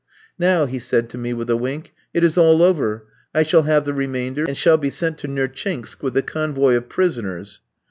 "Now," he said to me with a wink, "it is all over. I shall have the remainder, and shall be sent to Nertchinsk with a convoy of prisoners.